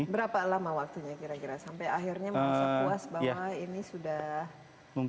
berapa lama waktunya kira kira sampai akhirnya merasa puas bahwa ini sudah